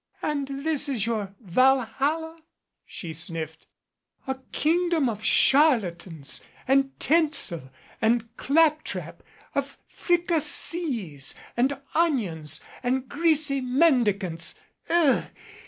"And this is your Valhalla?" she sniffed. "A kingdom of charlatans, and tinsel and clap trap, of fricassees and onions, and greasy mendicants.